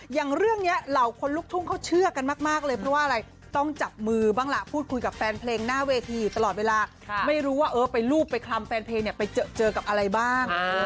อย่างเรื่องนี้เหล่าคนลูกทุ่งเขาเชื่อกันมากเลยเพราะว่าอะไรต้องจับมือบ้างล่ะพูดคุยกับแฟนเพลงหน้าเวทีอยู่ตลอดเวลาไม่รู้ว่าเออไปรูปไปคลำแฟนเพลงเนี่ยไปเจอกับอะไรบ้าง